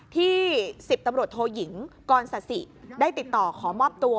ที่๑๐ตำรวจโทยิงกรสสิได้ติดต่อขอมอบตัว